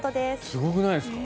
すごくないですか？